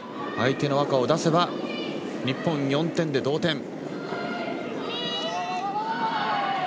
相手の赤を出せば日本、４点で同点。